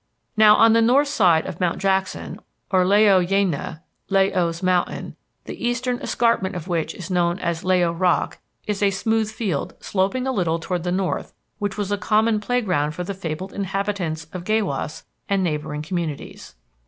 "Now on the north side of Mount Jackson, or La o Yaina (La o's Mountain), the eastern escarpment of which is known as La o Rock, is a smooth field sloping a little toward the north which was a common playground for the fabled inhabitants of Gaywas and neighboring communities.